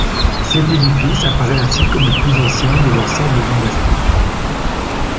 Cet édifice apparaît ainsi comme le plus ancien de l'ensemble monastique.